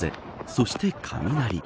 そして雷。